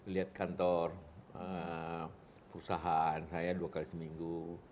lihat kantor perusahaan saya dua kali seminggu